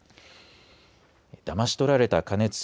だまし取られた加熱式